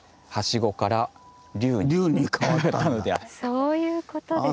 そういうことですか。